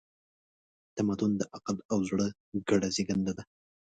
تمدن د عقل او زړه ګډه زېږنده ده.